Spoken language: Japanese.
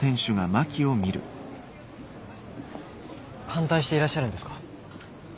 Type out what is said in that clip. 反対していらっしゃるんですか？